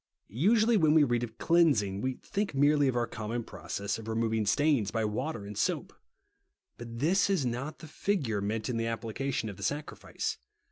Usually when we read of cleansing, we think merely of our common process of re moving stains by Avater and soap. But this is not the figure meant in the applica tion of the sacrifice.